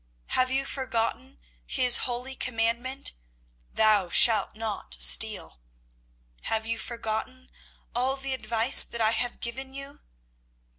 Have you forgotten His holy commandment, 'Thou shalt not steal?' Have you forgotten all the advice that I have given you?